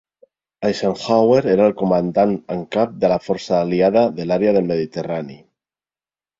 Eisenhower era el comandant en cap de la Força aliada de l'àrea del Mediterrani.